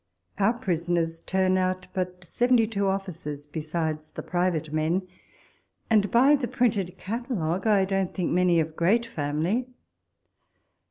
Our prisoners turn out but seventy two officers, besides the private men ; and by the printed catalogue, I don't think many of great family.